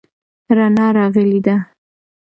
رڼا راغلې ده.